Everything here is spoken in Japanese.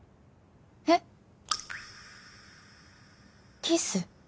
えっ？キス？